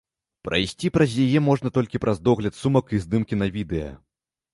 Прайсці праз яе можна толькі праз догляд сумак і здымкі на відэа.